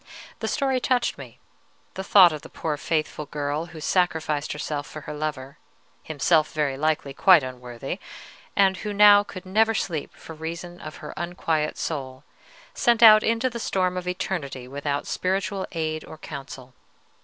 The story touched me: the thought of the poor faithful girl who sacrificed herself for her lover, himself, very likely, quite unworthy, and who now could never sleep for reason of her unquiet soul, sent out into the storm of eternity without spiritual aid or counsel.